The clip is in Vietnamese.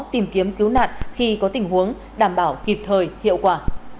tìm kiếm cứu nạn khi có tình huống đảm bảo kịp thời hiệu quả